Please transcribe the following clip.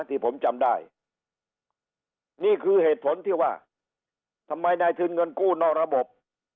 ที่ผมจำได้นี่คือเหตุผลที่ว่าทำไมนายทุนเงินกู้นอกระบบ